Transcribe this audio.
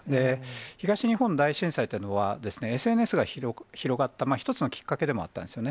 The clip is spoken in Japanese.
東日本大震災というのは、ＳＮＳが広がった一つのきっかけでもあったんですよね。